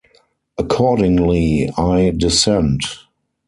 Accordingly, I dissent.